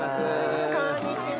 こんにちは。